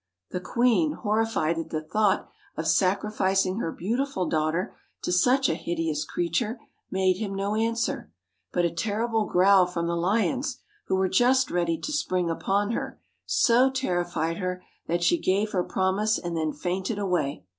The queen, horrified at the thought of sacrificing her beautiful daughter to such a hideous creature, made him no answer ; but a terrible growl from the lions, who were just ready to spring upon her, so terrified her, that she gave her promise, and then fainted away.